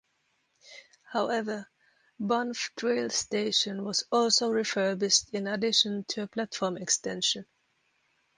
However, Banff Trail Station was also refurbished in addition to a platform extension.